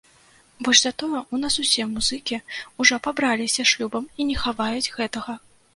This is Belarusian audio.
Больш за тое, у нас усе музыкі ўжо пабраліся шлюбам і не хаваюць гэтага.